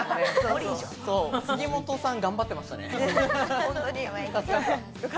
杉本さん頑張ってましたね。